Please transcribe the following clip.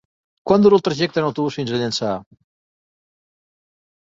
Quant dura el trajecte en autobús fins a Llançà?